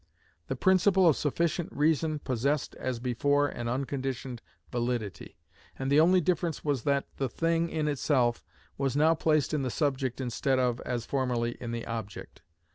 The principle of sufficient reason possessed as before an unconditioned validity, and the only difference was that the thing in itself was now placed in the subject instead of, as formerly, in the object.